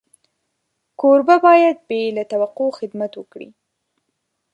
کوربه باید بې له توقع خدمت وکړي.